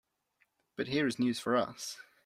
But here is news for us.